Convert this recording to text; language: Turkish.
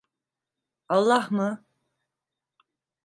Allah mı?